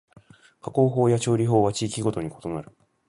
加工法や調理法は地域ごとに異なる